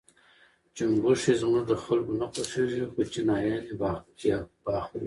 چونګښي زموږ د خلکو نه خوښیږي خو چینایان یې با خوري.